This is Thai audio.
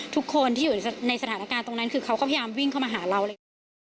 ทุกคนที่อยู่ในสถานการณ์ตรงนั้นคือเขาก็พยายามวิ่งเข้ามาหาเราอะไรอย่างนี้